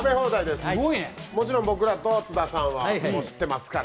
もちろん僕らと津田さんはもう知ってますから。